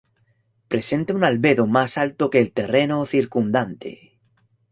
Presenta un albedo más alto que el terreno circundante.